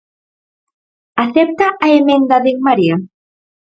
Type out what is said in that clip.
¿Acepta a emenda de En Marea?